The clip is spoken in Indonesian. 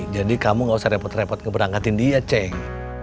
jadi kamu gak usah repot repot ngeberangkatin dia ceng